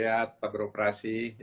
ya tetap beroperasi